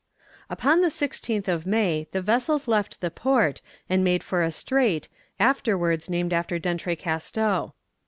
Upon the 16th of May the vessels left the port, and made for a strait, afterwards named after D'Entrecasteaux.